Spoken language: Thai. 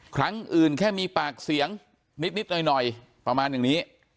ครั้งอื่นแค่มีปากเสียงนิดหน่อยประมาณอย่างนี้